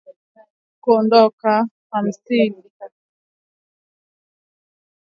Rais wa zamani Marekani aliamuru kiasi cha wanajeshi mia saba hamsini kuondoka